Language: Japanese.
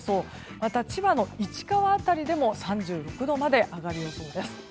また、千葉の市川辺りでも３６度まで上がる予想です。